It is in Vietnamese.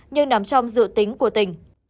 nhưng nằm trong dự tính của tỉnh